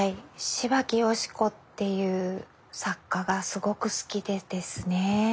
芝木好子っていう作家がすごく好きでですね。